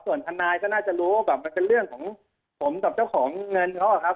ส่วนทนายก็น่าจะรู้กับมันเป็นเรื่องของผมกับเจ้าของเงินเขาอะครับ